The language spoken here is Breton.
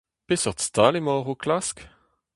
Peseurt stal emaoc'h o klask ?